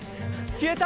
消えた？